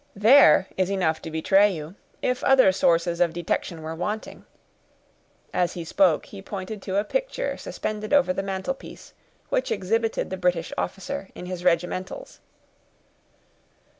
There is enough to betray you, if other sources of detection were wanting." As he spoke, he pointed to a picture suspended over the mantel piece, which exhibited the British officer in his regimentals.